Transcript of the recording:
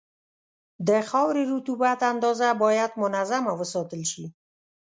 د خاورې رطوبت اندازه باید منظمه وساتل شي.